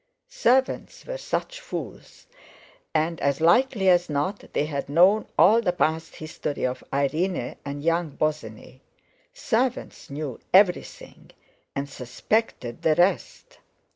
Servants were such fools; and, as likely as not, they had known all the past history of Irene and young Bosinney—servants knew everything, and suspected the rest.